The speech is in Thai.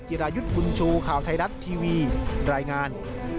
รายุทธ์บุญชูข่าวไทยรัฐทีวีรายงาน